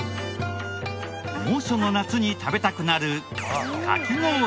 猛暑の夏に食べたくなるかき氷です。